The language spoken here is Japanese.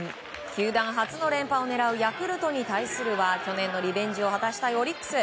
球団初の連覇を狙うヤクルトに対するは去年のリベンジを果たしたいオリックス。